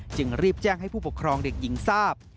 จึงรีบแจ้งให้ผู้ปกครองเด็กหญิงทราบ